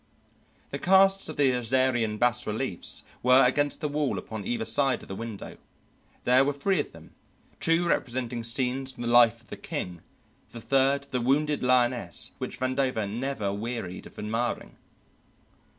The casts of the Assyrian bas reliefs were against the wall upon either side of the window. There were three of them, two representing scenes from the life of the king, the third the wounded lioness which Vandover never wearied of admiring.